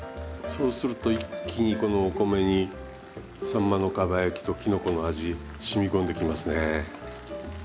そうすると一気にこのお米にさんまのかば焼きときのこの味染み込んでいきますね。